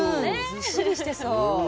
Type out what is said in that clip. ずっしりしてそう。